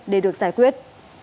để được giải quyết